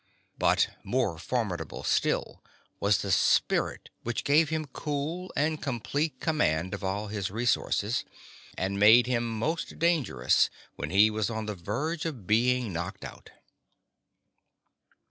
But more formidable still was the spirit which gave him cool and complete command of all his resources, and made him most dangerous when he was on the verge of being knocked out.